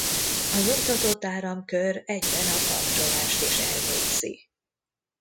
A nyomtatott áramkör egyben a kapcsolást is elvégzi.